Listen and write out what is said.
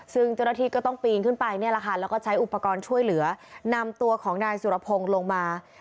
ซึ่งเจ้าหน้าที่ก็ต้องปีนขึ้นไปเนี่ยแหละค่ะแล้วก็ใช้อุปกรณ์ช่วยเหลือนำตัวของนายสุรพงศ์ลงมา